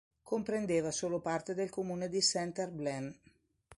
Comprendeva solo parte del comune di Saint-Herblain.